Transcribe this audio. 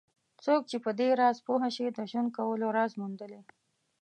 څوک چې په دې راز پوه شي د ژوند کولو راز موندلی.